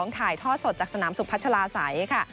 ถ่ายท่อสดจากสนามสุพัชลาศัยค่ะ